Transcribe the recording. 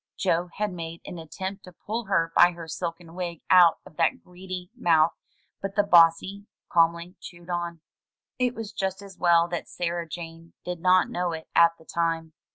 Joe had made an attempt to pull her by her silken wig out of that greedy mouth, but the bossy calmly chewed on. It was just as well that Sarah Jane did not know it at the time.